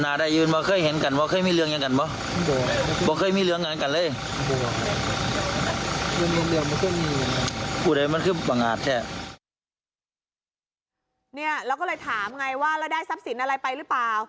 เราก็เลยถามไงว่าเราได้ทรัพย์สินอะไรไปหรือเปล่า